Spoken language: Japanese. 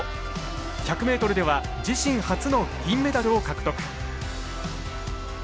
１００ｍでは自身初の銀メダルを獲得。